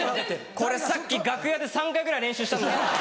これさっき楽屋で３回ぐらい練習したんだけどな。